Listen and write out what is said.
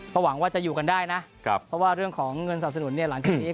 ก็หวังว่าจะอยู่กันได้นะเพราะว่าเรื่องของเงินสนับสนุนเนี่ยหลังจากนี้